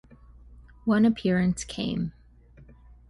One appearance came.